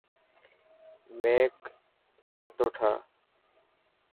ميڪ کاتو ٺائو.